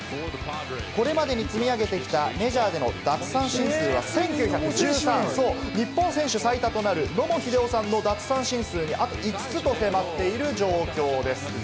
これまでに積み上げてきたメジャーでの奪三振数は１９１３、日本選手最多となる野茂英雄さんの奪三振数にあと５つに迫っている状況です。